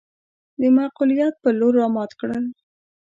د معقوليت پر لور رامات کړل.